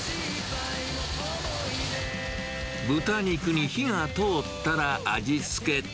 豚肉に火が通ったら味付け。